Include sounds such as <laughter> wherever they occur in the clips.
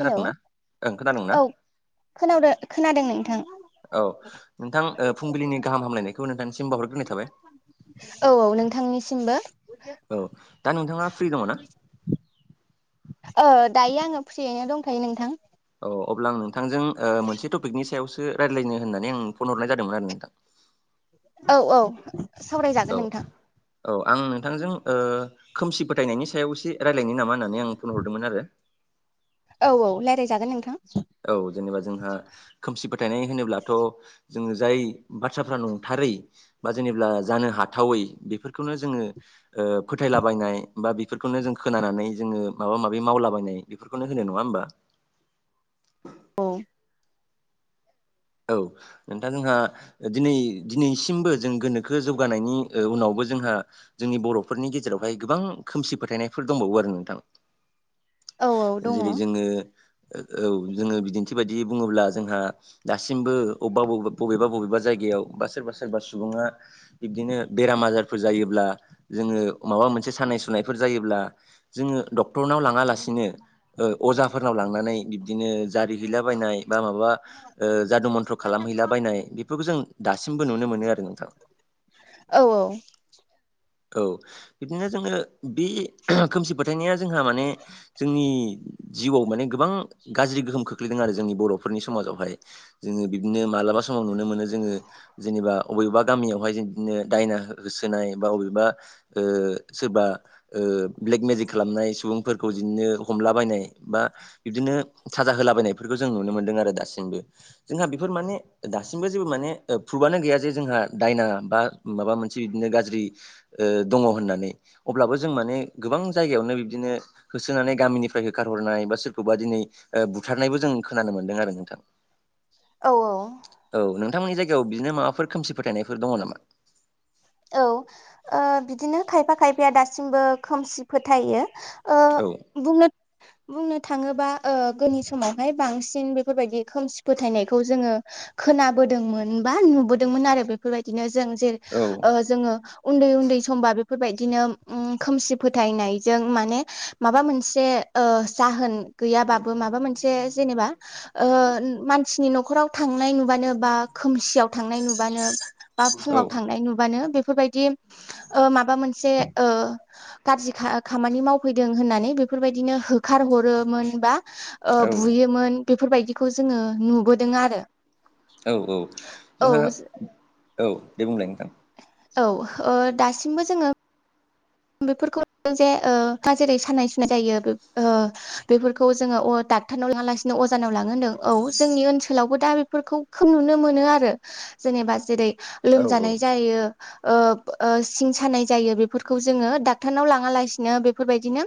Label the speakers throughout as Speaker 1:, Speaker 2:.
Speaker 1: Hello
Speaker 2: ओं खोनादोंना?
Speaker 1: औ खोनादों खोनादों नोंथां।
Speaker 2: औ नोंथां ओ फुंबिलिनि गाहाम हामलायनायखौ नोंथांनिसिम बावहरग्रोनाय थाबाय।
Speaker 1: औ औ नोंथांनिसिमबो।
Speaker 2: औ दा नोंथाङा फ्रि दङ ना?
Speaker 1: ओ दायो आंङो फ्रियैनो दंथयो नोंथां।
Speaker 2: औ अब्ला आं नोंथांजों ओ मोनसे टपिकनि सायावसो रायज्लायनो होननानै आं फन हरनाय जादोंमोन आरो नोंथां।
Speaker 1: औ औ
Speaker 2: औ
Speaker 1: सावरायजागोन नोंथां।
Speaker 2: औ आं नोंथांजों ओ खोमसि फोथायनायनि सायाव एसे रायज्लायनो नामा होननानै आं फन हरदोंमोन आरो।
Speaker 1: औ औ रायज्लायजागोन नोंथां।
Speaker 2: औ जेनेबा जोंहा खोमसि फोथायनाय होनोब्लाथ' जोंङो जाय बाथ्राफ्रा नंथारै बा जेनेब्ला जानो हाथावै बेफोरखौनो जोङो ओ फोथायलाबायनाय एबा बेफोरखौनो जों खोनानानै जोङो माबा-माबि मावलाबायनाय। बेफोरखौनो होनो नङा होमबा?
Speaker 1: औ
Speaker 2: औ नोंथां जोंहा दिनै दिनैसिमबो जों गोनोखो जौगानायनि ओ उनावबो जोंहा जोंनि बर'फोरनि गेजेरावहाय गोबां खोमसि फोथायनायफोर दंबावो आरो नोंथां।
Speaker 1: औ औ दङ औ
Speaker 2: जेरै जोंङो औ जोंङो बिदिन्थि बायदियै बुङोब्ला जोंहा दासिमबो बबेबा बबेबा बबेबा बबेबा जायगायाव बा सोरबा सोरबा सुबुङा बिब्दिनो बेराम आजारफोर जायोब्ला जोंङो माबा मोनसे सानाय सुनायफोर जायोब्ला जोंङो डक्टरनाव लाङालासिनो ओ अजाफोरनाव लांनानै बिबदिनो जारिहैला बायनाय बा माबा माबा ओ जादु मन्थ्र' खालामहैला बायनाय बेफोरखौ जों दासिमबो नुनो मोनो आरो नोंथां।
Speaker 1: औ औ।
Speaker 2: औ बिदिनो जोंङो बे खोमसि फोथायनाया जोंहा माने जोंनि जिउआव माने गोबां गाज्रि गोहोम खोख्लैदों आरो जोंनि बर'फोरनि समाजावहाय। जोंङो बिदिनो मालाबा औ नुनो मोनो जोंङो जेनेबा बबेबा गामियावहाय बिदिनो दायना होसोनाय बाबेबा बा सोरबा ओ ब्लेक मेजिक खालामनाय सुबुंफोरखौ बिदिनो हमलाबायनाय बा बिब्दिनो साजा होलाबायनायफोरखौ जों नुनो मोन्दों आरो दासिमबो। जोंहा बेफोर माने दासिमबो जेबो माने प्रुभआनो गैया जे जोंहा दायना बा माबा मोनसे बिदिनो गाज्रि ओ दङ होननानै। अब्लाबो जों माने गोबां जायगायावनो बिब्दिनो होसोनानै गामिनिफ्राय होखारहरनाय बा सोरखौबा दिनै बुथारनायबो जों खोनानो मोनदों आरो नोंथां। <inaudible>
Speaker 1: औ औ।
Speaker 2: औ नोंथांमोननि जायगायाव बिदिनो माबाफोर खोमसि फोथायनायफोर दङ नामा?
Speaker 1: औ ओ बिदिनो खायफा खायफाया दासिमबो खोमसि फोथायो। ओ
Speaker 2: औ।
Speaker 1: बुंनो बुंनो थाङोबा ओ गोदोनि समावहाय बांसिन बेफोरबायदि खोमसि फोथायनायखौ जोंङो खोनाबोदोंमोन बा नुबोदोंमोन आरो बेफोरबायदिनो जों जेरै
Speaker 2: औ।
Speaker 1: ओ जोंङो उन्दै उन्दै समबा बेफोरबायदिनो उम खोमसि फोथायनायजों माने माबा मोनसे ओ जाहोन गैयाबाबो माबा मोनसे जेनेबा ओ मानसिनि न'खराव थांनाय नुबानो बा खोमसियाव थांनाय नुबानो बा
Speaker 2: औ
Speaker 1: फुङाव थांनाय नुब बांनो बेफोरबायदि ओ माबा मोनसे ओ गाज्रि खा खामानि मावफैदों होननानै बेफोरबायदिनो होखार हरोमोन बा ओ
Speaker 2: औ
Speaker 1: बुयोमोन बेफोरबायदिखौ जोंङो नुबोदों आरो।
Speaker 2: औ औ
Speaker 1: औ
Speaker 2: जोंहा औ दे बुंलाय नोंथां।
Speaker 1: औ ओ दासिमबो जोंङो बेफोरखौ जे दा जेरै सानाय सुनाय जायो बेफोरखौ जोङो अ द फटानाव‌ थाङालासिनो अजानाव लां होनदों औ जोंनि ओनसोलावबो दा बेफोरखौ खोब नुनो मोनो आरो जेनेबा जेरै
Speaker 2: औ औ
Speaker 1: लोमजानाय जायो सिं सानाय जायो बेफोरखौ जोङो डाक्टारनाव लाङालासिनो बेफोरबायदिनो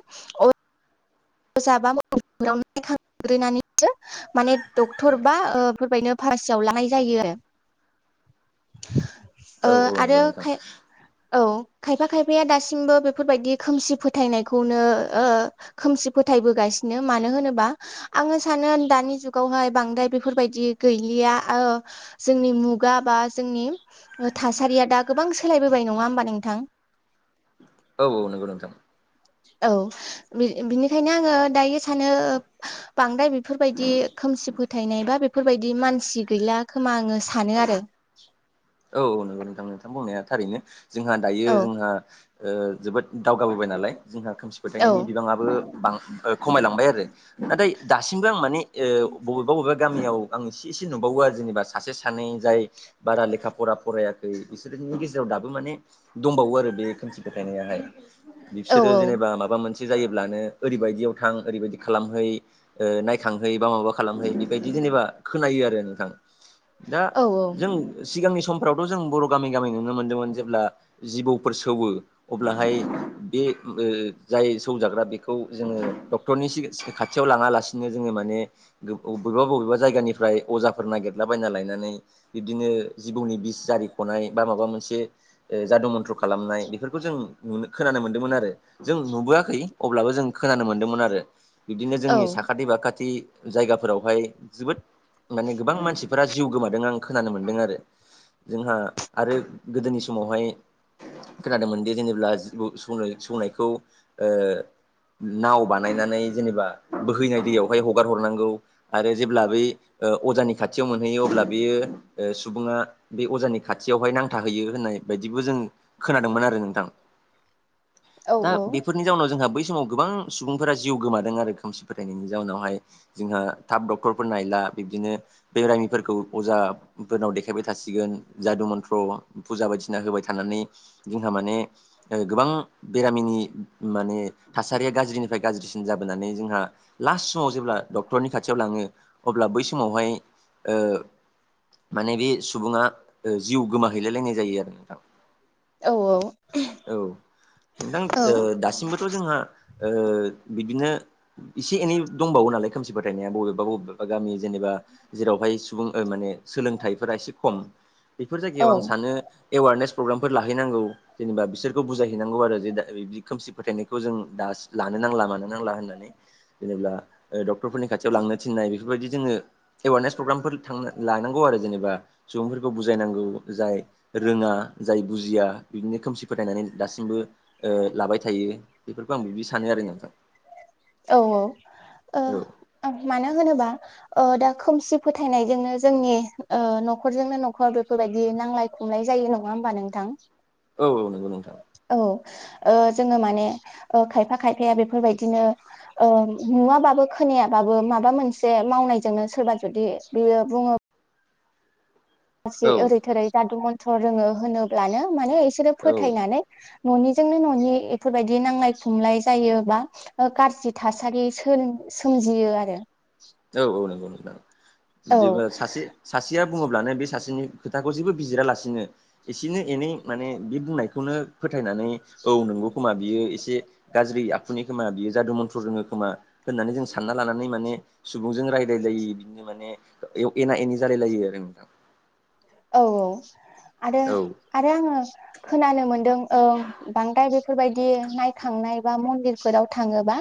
Speaker 1: जाबा माव नायखांग्रोनानै माने डक्टर बा फोरबायनो फारमासियाव लानाय जायो आरो
Speaker 2: <inaudible> औ
Speaker 1: ओ
Speaker 2: औ
Speaker 1: आरो
Speaker 2: नंगौ नोंथां
Speaker 1: खाय औ खायफा खायफाया दासिमबो बेफोरबायदि खोमसि फोथायनायखौनो ओ खोमसि फोथायबोगासिनो मानो होनोबा आंङो सानो दानि जुगावहाय बांद्राय बेफोरबायदि गैलिया ओ जोंनि मुगा बा जोंनि ओ थासारिया दा गोबां सोलायबोबाय नङा होमबा नोंथां?
Speaker 2: औ औ नंगौ नोंथां।
Speaker 1: औ बिनिखायनो आङो दायो बेनिखायनो बांद्राय बेफोरबायंणयदि खोमसि फोथायनाय बा बेकषचंण। फोरबायदि मानसि गैला खोमा आङो सानो आरो
Speaker 2: औ औ नंगौ नोंथां नोंथां‌ माइबुंनाया थारैनो जोंहा दायो
Speaker 1: औ
Speaker 2: जोंहा जोबोद दावगाबोबाय नालाय जोंहा खोमसि फोथायनायनि
Speaker 1: औ
Speaker 2: बिबाङाबो बां खमायलांबाय आरो नाथाय दासिमबो आं माने बबेबा बबेबा गामियाव आं एसे एसे नुबावो आरो जेनेबा सासे सानै जाय- बारा लेखा फरा फरायाखै बिसोरनि गेजेराव दाबो माने दंबावो आरो बे खोमसि फोथायनायाहाय
Speaker 1: औ
Speaker 2: बिसोरो जेनेबा माबा मोनसे जायोब्लानो ओरैबायदियाव थां ओरैबायदि खालामहै नायखांहै बा माबा खालामहै बेबायदि जेनेबा खोनायो आरो नोंथां दा
Speaker 1: औ
Speaker 2: जों सिगांनि समफ्रावथ' जों बर' गामि गामि नुनो मोन्दोंमोन जेब्ला जिबौफोर सौवो अब्लाहाय बे जाय सौजाग्रा बेखौ जोङो डक्टरनि खाथियाव लाङालासिनो जोङो माने- बबेबा बबेबा जायगानिफ्राय अजाफोर नागिरला बायना लायनानै बिबदिनो जिबौनि बिस जारिख'नाय बा माबा मोनसे जाद' मन्थ्र खालामनाय बेफोरखौ जों खोनानो मोन्दोंमोन आरो जों नुबोआखै अब्लाबो जों खोनानो मोन्दोंमोन आरो बिदिनो
Speaker 1: औ
Speaker 2: जोंनि साखाथि बाखाथि जायगाफोरावहाय जोबोद माने गोबां मानसिफोरा जिउ गोमादों आं खोनानो मोनदों आरो। जोंहा आरो गोदोनि समावहाय- खोनादोंमोनदि जेनेब्ला स सौनायखौ ओ नाव बानायनानै जेनेबा बोहैनाय दैयावहाय हगार हरनांगौ। आरो जेब्ला बै अजानि खाथियाव मोनहैयो अब्ला बेयो सुबुङा बे अजानि खाथियावहाय नांथाहैयो होननाय बायदिबो जों खोनादोंमोन आरो नोंथां।
Speaker 1: औ
Speaker 2: दा बेफोरनि जाउनाव जोंहा बै समाव गोबां सुबुंफोरा जिउ गोमादों आरो खोमसि फोथायनायनि जाउनावहाय। जोंहा थाब डक्टरफोर नायला बिबदिनो बेरामिफोरखौ अजाफोरनाव दे देखायबाय थासिगोन जादु मन्थ्र फुजा बायदिसिना होबाय थानानै जोंहा माने गोबां बेरामिनि माने थासारिया गाज्रिनिफ्राय गाज्रिसिन जाबोनानै जोंहा लास्ट समाव जेब्ला डक्टरनि खाथियाव लाङो अब्ला बै समावहाय ओ माने बे सुबुङा जिउ गोमाहैलायलायनाय जायो आरो नोंथां औ नोंथां
Speaker 1: औ
Speaker 2: दासिमबोथ' जोंहा बिदिनो एसे एनै दंबावो नालाय खोमसि फोथायनाया बबेबा बबेबा बा गामि जेनेबा जेरावहाय सुबुं माने सोलोंथाइफोरा एसे खम बेफोर जायगायाव आं
Speaker 1: औ
Speaker 2: सानो एवारनेस प्रग्रामफोर लाहैनांगौ। जेनेबा बिसोरखौ बुजायहैनांगौ आरो जे दा बिदि खोमसि फोथायनायखौ जों दा लानो नांला मानो नांला होननानै जेनेबा डक्टरफोरनि खाथियाव लांनो थिन्नाय बेफोरबायदि जोङो एवारनेस प्रग्रामफोर थां लानांगौ आरो जेनेबा सुबुंफोरखौ बुजायनांगौ जाय रोङा जाय बुजिया बिदिनो खोमसि फोथायनानै दासिमबो लाबाय थायो बेफोरखौ आं बिदि सानो आरो नोंथां
Speaker 1: औ औ मानो होनोबा दा खोमसि फोथायनायजोंनो जोंनि न'खरजोंनो न'खर बेफोरबायदि नांलाय हमनाय जायो नङा होमबा नोंथां।
Speaker 2: औ औ नंगौ नोंथां
Speaker 1: औ जोङो माने खायफा खायफाया बेफोरबायदिनो नुवाबाबो खोनायाबाबो माबा मोनसे मावनायजोंनो सोरबा जुदि बियो बुङो सि
Speaker 2: औ
Speaker 1: ओरै थोरै जादु मन्थ्र' रोङो होनोब्लानो माने बिसोरो
Speaker 2: औ
Speaker 1: फोथायनानै न'निजोंनो न'नि बेफोरबायदि नांलाय खमलाय जायोबा- गाज्रि थासारि सोर सोमजियो आरो।
Speaker 2: औ औ नंगौ नों
Speaker 1: औ
Speaker 2: जेबो सासे सासेया बुङोब्लानो बे सासेनि खोथाखौ जेबो बिजिरालासिनो एसेनो एनै माने बे बुंनायखौनो फोथायनानै औ नंगौखोमा बियो एसे गाज्रि आखुनि खोमा बियो जादु मन्थ्र' रोङो खोमा होननानै जों सानना लानानै माने सुबुंजों रायलायलायो बिदिनो मानेयाव एना एनि जालायलायो आरो नोंथां
Speaker 1: औ औ आरो
Speaker 2: औ
Speaker 1: आरो आङो खोनानो मोनदों ओं बांद्राय बेफोरबायदि नायखांनाय बा मन्दिरफोराव थाङोबा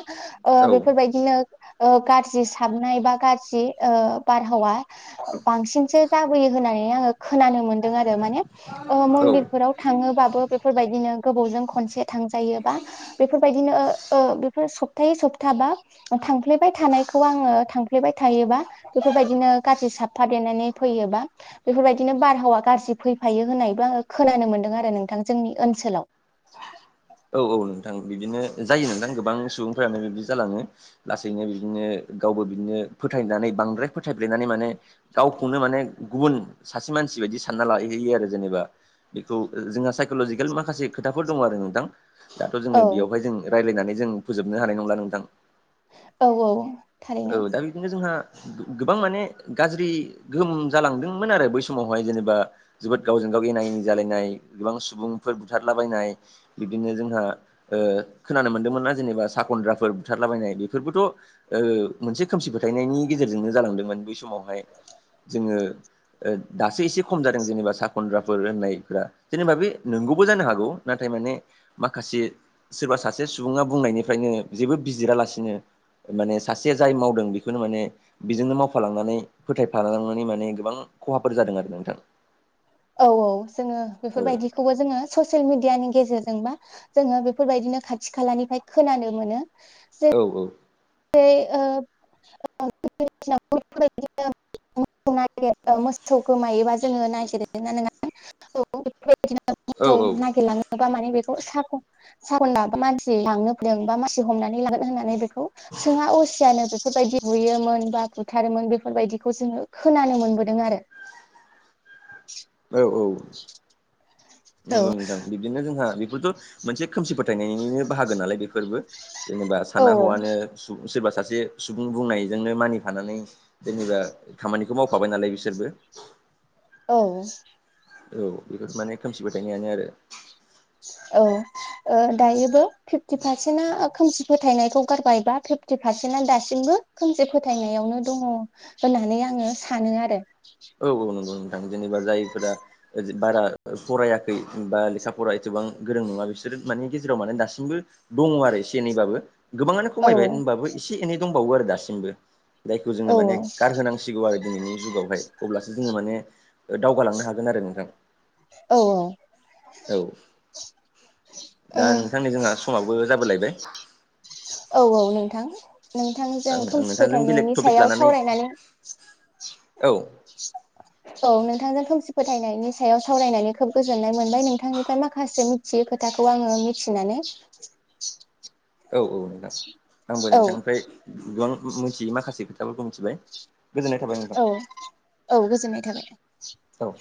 Speaker 2: औ
Speaker 1: बेफोरबायदिनो गाज्रि साबनाय बा गाज्रि बारहावा बांसिनसो जाबोयो होननानै आङो खोनानो मोनदों आरो माने
Speaker 2: औ
Speaker 1: मन्दिरफोराव थाङोबाबो बेफोरबायदिनो गोबावजों खनसे थांजायोबा बेफोरबायदिनो बेफोर सप्तायै सप्ता बा थांफ्लेबाय थानायखौ आङो थांफ्लेबाय थायोबा बेफोरबायदिनो गाज्रि साफा देनानै फैयोबा बेफोरबायदि बिदिनो बारहावा गाज्रि फैफायो होननायबो आङो खोनानो मोनदों आरो नोंथां जोंनि ओनसोलाव
Speaker 2: औ औ नोंथां बिदिनो जायो नोंथां गोबां सुबुंफ्रानो बिदि जालाङो लासैनो बिदिनो गावबो बिदिनो फोथायनानै बांद्राय फोथायब्लायनानै माने गावखौनो माने गुबुन सासे मानसि बायदि सानना लाहैयो आरो जेनेबा बेखौ जोंहा साइक'लजिकेल माखासे खोथाफोर दङ आरो नोंथां दाथ'
Speaker 1: औ
Speaker 2: जोङो बेयावहाय जों रायज्लायनानै जों फोजोबनो हानाय नंला नोंथां
Speaker 1: औ औ
Speaker 2: औ
Speaker 1: थारैनो
Speaker 2: दा बिदिनो नो जोंहा गोबां माने गाज्रि गोहोम जालांदोंमोन आरो बै समावहाय जेनेबा जोबोद गावजों गाव एना एनि जालायनाय गोबां सुबुंफोर बुथारलाबायनाय बिब्दिनो जोंहा खोनानो मोनदोंमोना जेनेबा सा खद्राफोर बुथारलाबायनाय बेफोरबोथ' मोनसे खोमसि फोथायनायनि गेजेरजोंनो जालांदोंमोन बै समावहाय जोङो दासो एसे खम जादों जेनेबा सा खन्द्राफोर होननायफोरा जेनेबा बे नोंगौबो जानो हागौ नाथाय माने माखासे सोरबा सासे सुबुङा बुंनायनिफ्रायनो जेबो बिजिरालासिनो माने सासे जाय मावदों बेखौनो माने बेजोंनो मावफालांनानै फोथायफालांनानै माने गोबां खहाफोर जादों आरो नोंथां
Speaker 1: औ औ जोङो
Speaker 2: औ
Speaker 1: बेफोरबायदिखौबो जोङो ससियेल मिडियानि गेजेरजोंबा जोङो बेफोरबायदिनो खाथि खालानिफ्राय खोनानो मोनो
Speaker 2: औ औ।
Speaker 1: <inaudible> <inaudible> मोसौ गोमायोबा जोङो नागिरो <inaudible>
Speaker 2: औ
Speaker 1: <inaudible> नागिरलाङो नबा माने बेखौ साख' <unintelligible> मानसि लांनो फैदों बा मानसि हमनानै लागोनो होननानै बेखौ सोङा असियानो बे फोरबायदि बुयोमोन बा बुथारोमोन बेफोरबायदिखौ जोङो खोनानो मोनबोदों आरो।
Speaker 2: औ औ
Speaker 1: औ
Speaker 2: नोंगौ नोंथां। ओ बिबदिनो जोंहा बेफोरथ' मोनसे खोमसि फोथायनायनिनो बाहागो नालाय बेफोरबो। जेनेबा
Speaker 1: औ
Speaker 2: साना हौवानो सु सोरबा सासे सुबुं बुंनायजोंनो मानिफानानै जेनेबा खामानिखौ मावफाबाय नालाय बिसोरबो
Speaker 1: औ
Speaker 2: औ बेखौथ' माने खोमसि फथायनायानो आरो
Speaker 1: औ दायोबो फिफटि पारसेन्टा खोमसि फोथायनायखौ गारबायबा फिफ्टि पारसेन्टा दासिमबो खोमसि फोथायनायावनो दङ होननानै आङो सानो आरो
Speaker 2: औ औ नंगौ नोंथां जेनेबा जायफोरा बारा फरायाखै बा लेखा फरा एसेबां गोरों नङा बिसोर मानि गेजेराव माने दासिमबो दङ आरो एसे एनैबाबो गोबाङानो
Speaker 1: औ
Speaker 2: खमायबाय होनबाबो एसे एनै दंबावो आरो दासिमबो जायखौ जोङो
Speaker 1: औ
Speaker 2: माने गारहोनांसिगौ आरो दिनैनि जुगावहाय अब्लासो जोङो माने ओ दावगालांनो हागोन आरो नोंथां।
Speaker 1: औ
Speaker 2: औ
Speaker 1: औ
Speaker 2: दा नोंथां नै जोंहा समाबो जाबोलायबाय।
Speaker 1: औ औ नोंथां। नोंथांजों
Speaker 2: आं आं
Speaker 1: खोमसि
Speaker 2: नोंथांजों बेलेग
Speaker 1: फोथायनायनि
Speaker 2: टपिक
Speaker 1: सायाव
Speaker 2: लानानै
Speaker 1: सावरायनानै
Speaker 2: औ
Speaker 1: <inaudible> औ नोंथांजों खोमसि फोथायनायनि सायाव सावरायनानै खोब गोजोननाय मोनबाय नोंथांनिफ्राय माखासे मि थियै खोथाखौ आङो मिथिनानै
Speaker 2: औ औ नोंथां आंबो
Speaker 1: औ
Speaker 2: नोंथांनिफ्राय गोबां मोनथियै माखासे खोथाफोरखौ मिथिबाय। गोजोन्नाय थाबाय नोंथां
Speaker 1: औ औ गोजोननाय थाबाय।
Speaker 2: औ।